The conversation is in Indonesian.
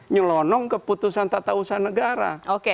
nyelonong ke putusan tata usaha negara